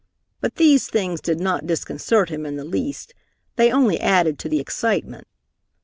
But these things did not disconcert him in the least. They only added to the excitement.